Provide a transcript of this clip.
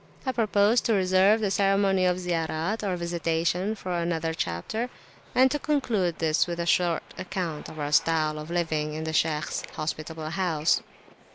I propose to reserve [p.295] the ceremony of Ziyarat, or Visitation, for another chapter, and to conclude this with a short account of our style of living at the Shaykh's hospitable house.